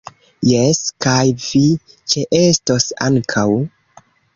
Jes, kaj vi ĉeestos ankaŭ